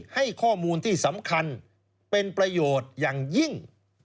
ให้ข้อมูลที่สำคัญเป็นประโยชน์อย่างยิ่ง